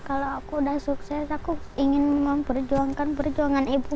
kalau aku udah sukses aku ingin memperjuangkan perjuangan ibu